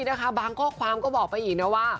นะคะบางข้อความก็บอกไปอีกนะว่า